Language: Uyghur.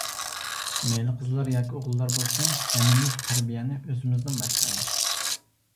مەيلى قىزلار ياكى ئوغۇللار بولسۇن، ھەممىمىز تەربىيەنى ئۆزىمىزدىن باشلايلى.